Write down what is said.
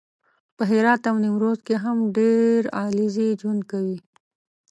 په هرات او نیمروز کې هم ډېر علیزي ژوند کوي